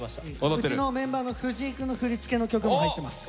うちのメンバーの藤井くんの振り付けの曲も入ってます。